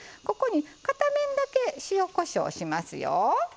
片面だけ塩・こしょうしますよ。